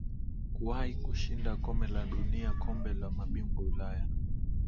kuwahi kushinda kome la dunia kombe la mabingwa Ulaya